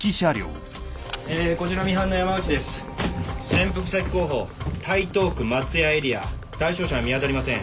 潜伏先候補台東区松谷エリア対象者見当たりません。